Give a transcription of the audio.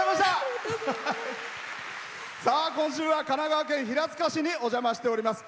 今週は神奈川県平塚市にお邪魔しております。